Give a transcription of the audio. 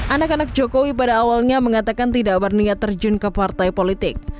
anak anak jokowi pada awalnya mengatakan tidak warningat terjun ke partai politik